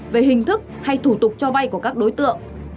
về hình thức hay thủ tục cho vay của các đối tượng